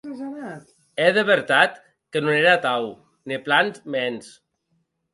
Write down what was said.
E de vertat que non ère atau, ne plan mens.